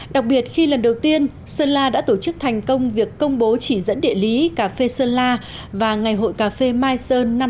đặc biệt khi lần đầu tiên sơn la đã tổ chức thành công việc công bố chỉ dẫn địa lý cà phê sơn la và ngày hội cà phê mai sơn năm hai nghìn hai mươi